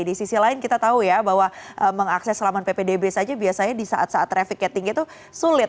nah yang lain kita tahu ya bahwa mengakses selaman ppdb saja biasanya di saat saat traffic yang tinggi itu sulit